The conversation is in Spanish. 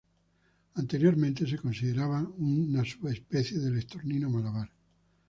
Anteriormente se consideraba una subespecie del estornino malabar.